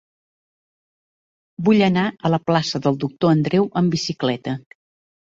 Vull anar a la plaça del Doctor Andreu amb bicicleta.